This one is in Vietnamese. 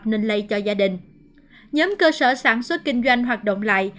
nhóm cơ sở sản xuất kinh doanh hoạt động lại